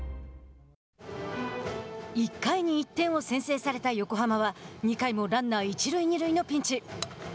１回に１点を先制された横浜は２回もランナー一塁二塁のピンチ。